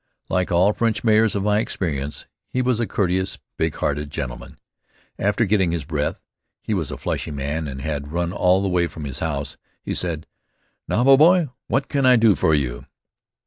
Like all French mayors of my experience, he was a courteous, big hearted gentleman. After getting his breath, he was a fleshy man, and had run all the way from his house, he said, "Now, my boy, what can I do for you?"